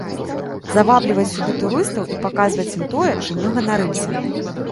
Завабліваць сюды турыстаў і паказваць ім тое, чым мы ганарымся.